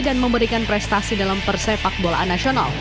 dan memberikan prestasi dalam persepak bola nasional